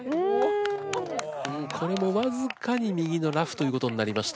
うんこれも僅かに右のラフということになりました。